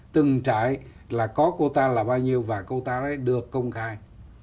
từng trại là có quota là bao nhiêu và quota đó được công khai